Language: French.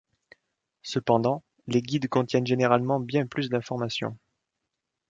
Cependant, les guides contiennent généralement bien plus d'informations.